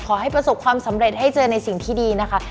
ขอให้ประสบความสำเร็จให้เจอในสิ่งที่ดีนะคะ